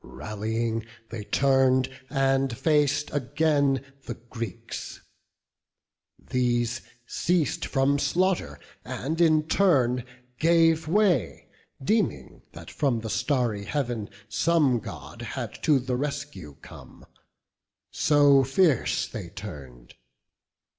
Rallying they turn'd, and fac'd again the Greeks: These ceas'd from slaughter, and in turn gave way, Deeming that from the starry Heav'n some God Had to the rescue come; so fierce they turn'd.